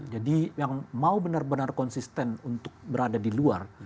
jadi yang mau benar benar konsisten untuk berada di luar